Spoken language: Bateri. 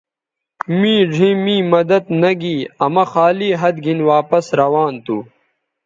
می ڙھیئں می مدد نہ گی آ مہ خالی ھَت گِھن واپس روان تھو